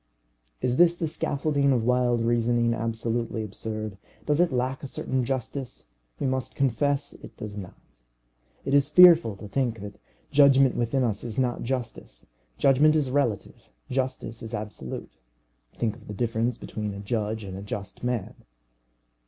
Is this scaffolding of wild reasoning absolutely absurd? does it lack a certain justice? We must confess it does not. It is fearful to think that judgment within us is not justice. Judgment is the relative, justice is the absolute. Think of the difference between a judge and a just man.